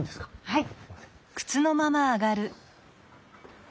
はい。